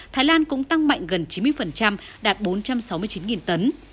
thái lan cũng tăng mạnh gần chín mươi đạt bốn trăm sáu mươi chín tấn